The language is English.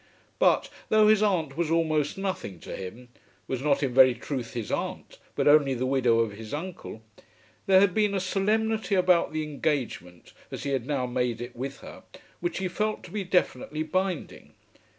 But, though his aunt was almost nothing to him, was not in very truth his aunt, but only the widow of his uncle, there had been a solemnity about the engagement as he had now made it with her, which he felt to be definitely binding.